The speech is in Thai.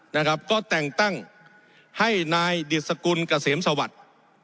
นะครับก็แต่งตั้งให้นายดิสกุลเกษมสวัสดิ์